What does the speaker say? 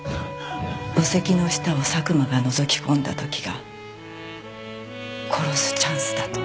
墓石の下を佐久間がのぞきこんだ時が殺すチャンスだと。